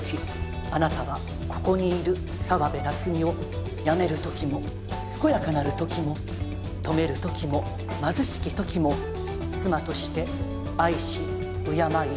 あなたはここにいる澤部夏美を病める時も健やかなる時も富める時も貧しき時も妻として愛し敬い